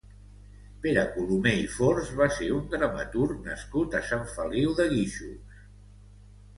Pere Colomer i Fors va ser un dramaturg nascut a Sant Feliu de Guíxols.